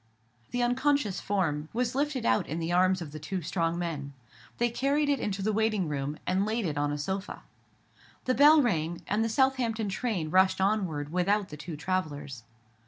The unconscious form was lifted out in the arms of the two strong men. They carried it into the waiting room, and laid it on a sofa. The bell rang, and the Southampton train rushed onward without the two travellers.